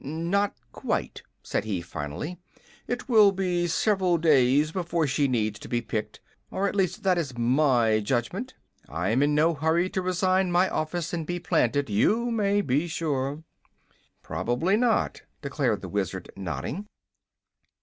"Not quite," said he, finally. "It will be several days before she needs to be picked, or at least that is my judgment. I am in no hurry to resign my office and be planted, you may be sure." "Probably not," declared the Wizard, nodding.